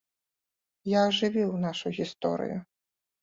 Я ажывіў нашу гісторыю.